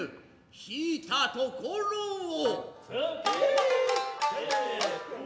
引いたところを。